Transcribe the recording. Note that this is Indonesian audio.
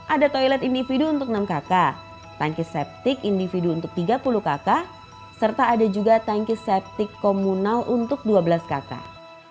ada toilet individu untuk enam kakak tanki septic individu untuk tiga puluh kakak serta ada juga tanki septic komunal untuk dua belas kakak